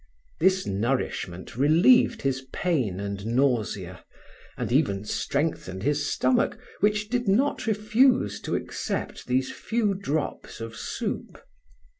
This nourishment relieved his pain and nausea, and even strengthened his stomach which did not refuse to accept these few drops of soup.